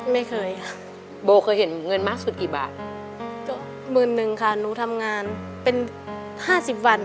ไม่เคยค่ะโบเคยเห็นเงินมากสุดกี่บาทก็หมื่นหนึ่งค่ะหนูทำงานเป็นห้าสิบวัน